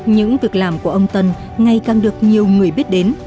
những việc làm của ông tân ngày càng được nhiều người biết đến